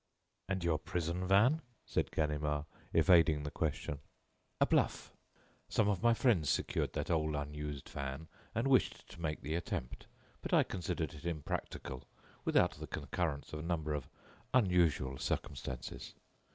"And your prison van?" said Ganimard, evading the question. "A bluff! Some of my friends secured that old unused van and wished to make the attempt. But I considered it impractical without the concurrence of a number of unusual circumstances.